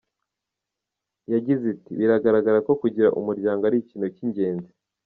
Yagize iti “Biragaragara ko kugira umuryango ari ikintu cy’ingenzi.